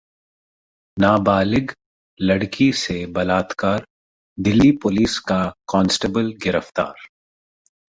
नाबालिग लड़की से बलात्कार, दिल्ली पुलिस का कांस्टेबल गिरफ्तार